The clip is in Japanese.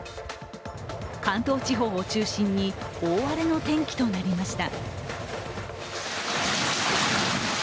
関東地方を中心に大荒れの天気となりました。